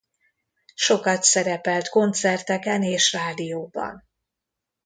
Sokat szerepelt koncerteken és rádióban.